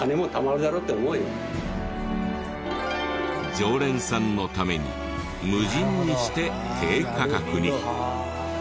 常連さんのために無人にして低価格に。